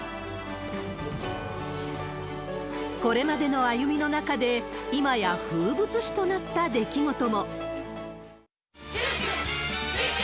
これまでの歩みの中で、今や風物詩となった出来事も。